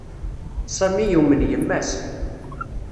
Sami yumen yemma-s.